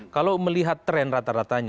kalau melihat tren rata ratanya